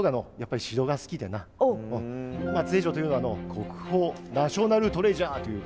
松江城というのはの国宝ナショナルトレジャーというの。